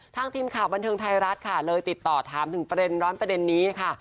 ทีมข่าวบันเทิงไทยรัฐค่ะเลยติดต่อถามถึงประเด็นร้อนประเด็นนี้ค่ะ